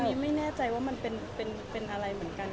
อันนี้ไม่แน่ใจว่ามันเป็นอะไรเหมือนกัน